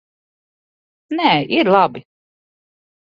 Nē, ir labi.